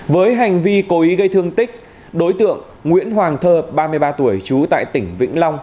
với hành vi cố ý gây thương tích đối tượng nguyễn hoàng thơ ba mươi ba tuổi trú tại tỉnh vĩnh long